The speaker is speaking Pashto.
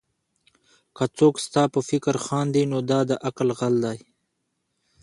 که څوک ستا پر فکر خاندي؛ نو دا د عقل غل دئ.